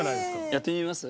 やってみます？